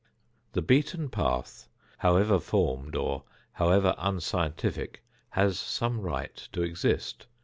The beaten path, however formed or however unscientific, has some right to exist.